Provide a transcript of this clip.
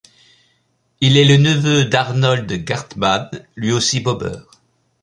Il est le neveu d'Arnold Gartmann, lui aussi bobeur.